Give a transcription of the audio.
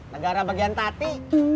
negara bagian tati